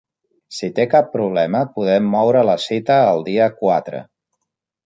Si té cap problema, podem moure la cita al dia quatre.